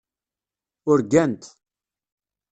Urgant.